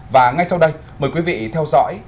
và ngay sau đây mời quý vị theo dõi